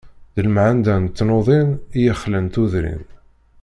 D lemɛanda n tnuḍin i yexlan tudrin.